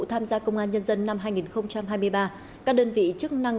tham gia công an nhân dân năm hai nghìn hai mươi ba các đơn vị chức năng